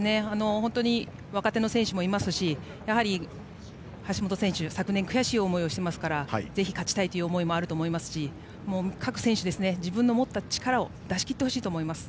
本当に若手の選手もいますしやはり橋本選手は昨年悔しい思いもしてますしぜひ勝ちたいという思いもあると思いますし各選手、自分の持った力を出し切ってほしいと思います。